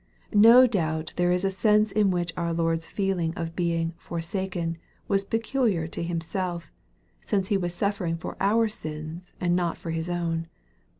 No doubt there is a sense in which our Lord's feeling of being " forsaken" was peculiar to Himself, since He was suf fering for our sins and not for His own.